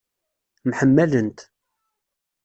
Mḥemmalent.